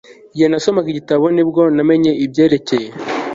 Igihe nasomaga igitabo ni bwo namenye ibyerekeye